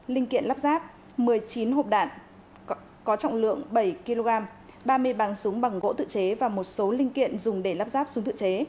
linh kiện lắp ráp một mươi chín hộp đạn có trọng lượng bảy kg ba mươi bắn súng bằng gỗ tự chế và một số linh kiện dùng để lắp ráp súng tự chế